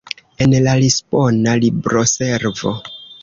En la Lisbona libroservo.